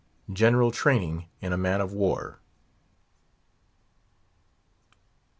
GENERAL TRAINING IN A MAN OF WAR.